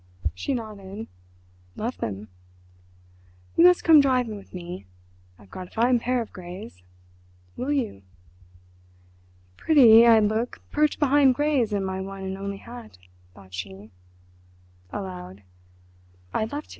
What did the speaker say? She nodded. "Love them." "You must come driving with me—I've got a fine pair of greys. Will you?" "Pretty I'd look perched behind greys in my one and only hat," thought she. Aloud: "I'd love to."